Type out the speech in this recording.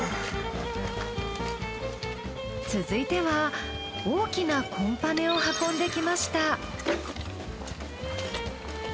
続いては大きなコンパネを運んできました。